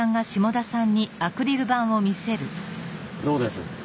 どうです。